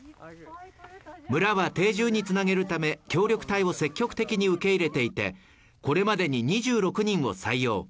村は定住に繋げるため、協力隊を積極的に受け入れていて、これまでに２６人を採用。